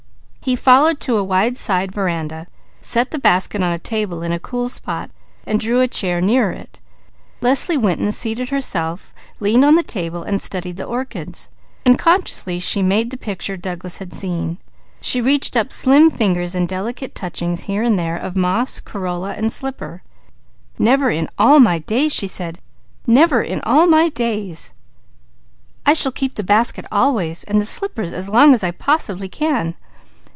He followed to a wide side veranda, set the basket on a table in a cool spot, then drew a chair near it. Leslie Winton seated herself, leaning on the table to study the orchids. Unconsciously she made the picture Douglas had seen. She reached up slim fingers in delicate touchings here and there of moss, corolla and slipper. "Never in all my days " she said. "Never in all my days I shall keep the basket always, and the slippers as long as I possibly can.